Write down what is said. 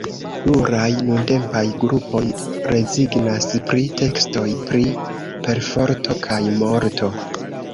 Pluraj nuntempaj grupoj rezignas pri tekstoj pri perforto kaj morto.